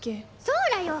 そうらよ！